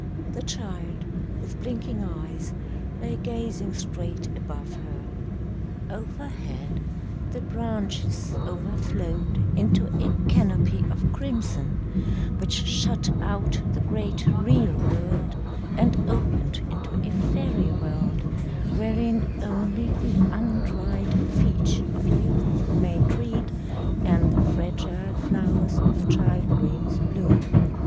The child, with blinking eyes, lay gazing straight above her. Overhead the branches overflowed into a canopy of crimson, which shut out the great real world and opened into a fairy world wherein only the untried feet of youth may tread and the fragile flowers of child dreams bloom.